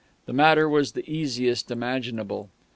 The matter was the easiest imaginable.